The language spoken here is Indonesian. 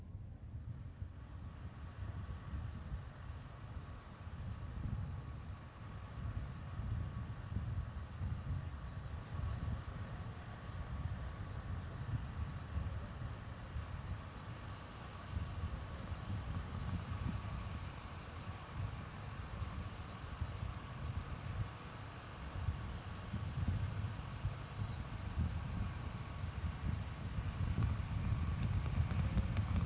unpurkan sellight bin oh